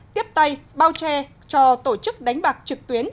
tiếp tay bao che cho tổ chức đánh bạc trực tuyến